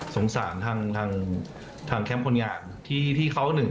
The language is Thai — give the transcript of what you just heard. สงสารทางทางแคมป์คนงานที่เขาหนึ่ง